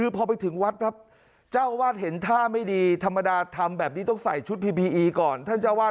ปึ๊กออกมาคราวนี้นะครับ